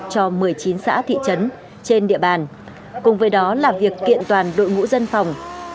cho một mươi chín xã thị trấn trên địa bàn cùng với đó là việc kiện toàn đội ngũ dân phòng